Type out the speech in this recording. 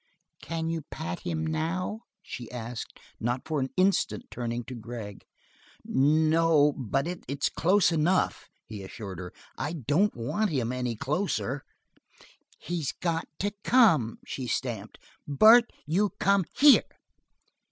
"Can you pat him now?" she asked, not for an instant turning to Gregg. "No, but it's close enough," he assured her. "I don't want him any closer." "He's got to come." She stamped. "Bart, you come here!"